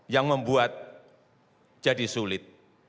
yang membuat jadi sulit